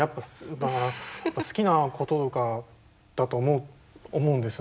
だから好きなこととかだと思うんですよ